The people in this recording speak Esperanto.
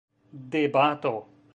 debato